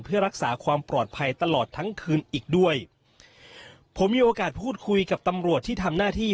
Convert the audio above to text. เพื่อรักษาความปลอดภัยตลอดทั้งคืนอีกด้วยผมมีโอกาสพูดคุยกับตำรวจที่ทำหน้าที่